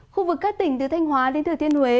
khu vực các tỉnh từ thanh hóa đến thừa thiên huế